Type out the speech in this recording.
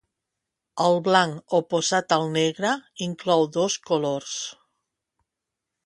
El blanc, oposat al negre, inclou dos colors.